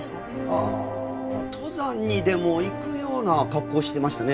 ああ登山にでも行くような格好をしていましたね。